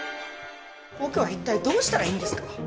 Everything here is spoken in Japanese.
僕は一体どうしたらいいんですか？